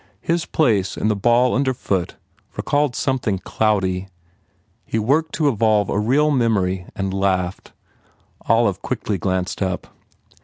His place and the ball under foot recalled something cloudy. He worked to evolve a real memory and laughed. Olive quickly glanced up.